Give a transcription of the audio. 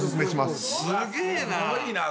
すげえな。